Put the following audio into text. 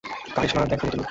কারিশমা দেখালে তুমি।